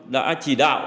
đã chỉ đạo